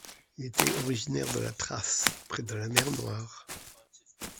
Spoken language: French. Il était originaire de la Thrace, près de la mer Noire.